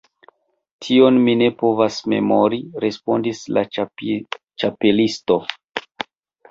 "Tion mi ne povas memori," respondis la Ĉapelisto.